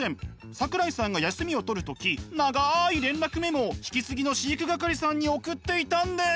桜井さんが休みを取る時長い連絡メモを引き継ぎの飼育係さんに送っていたんです！